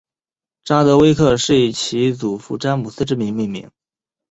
查德威克是以其祖父詹姆斯之名命名。